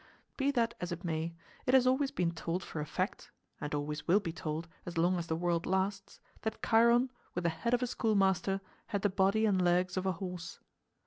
Be that as it may, it has always been told for a fact (and always will be told, as long as the world lasts) that Chiron, with the head of a schoolmaster, had the body and legs of a horse.